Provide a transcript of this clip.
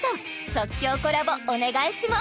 即興コラボお願いしまー